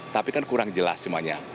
tapi kan kurang jelas semuanya